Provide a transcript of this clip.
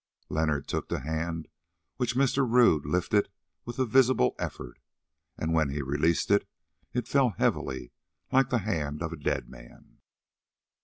Leonard took the hand which Mr. Rodd lifted with a visible effort, and when he released it, it fell heavily, like the hand of a dead man.